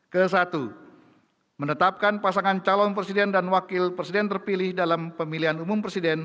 ke satu menetapkan pasangan calon presiden dan wakil presiden terpilih dalam pemilihan umum presiden